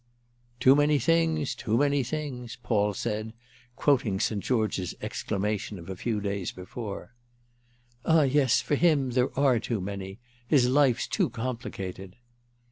"Too many things—too many things!" Paul said, quoting St. George's exclamation of a few days before. "Ah yes, for him there are too many—his life's too complicated."